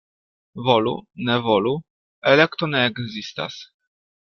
Volu-ne-volu — elekto ne ekzistas.